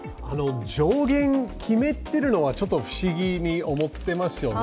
上限決めてるのはちょっと不思議に思っていますよね。